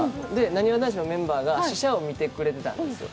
なにわ男子のメンバーが試写を見てくれてたんですよ。